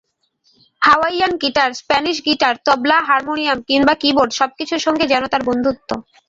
Hawaiian guitar, Spanish guitar, tabla, harmonium কিংবা কি-বোর্ড—সবকিছুর সঙ্গেই যেন তার বন্ধুত্ব।